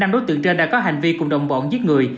năm đối tượng trên đã có hành vi cùng đồng bọn giết người